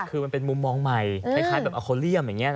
คือมันเป็นมุมมองใหม่คล้ายแบบออโคเลียมอย่างนี้